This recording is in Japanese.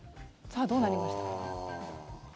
さあ、どうなりました？